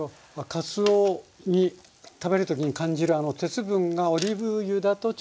かつおに食べる時に感じるあの鉄分がオリーブ油だとちょっと強調。